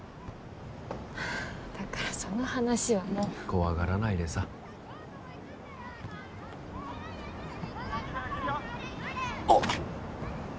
だからその話はもう怖がらないでさおっ！